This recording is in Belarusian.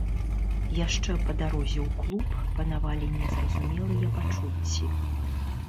Яшчэ па дарозе ў клуб панавалі незразумелыя пачуцці.